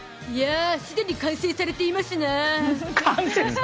すでに完成されていますな。